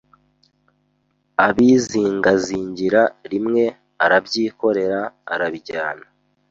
Abizingazingira rimwe arabyikorera arabijyana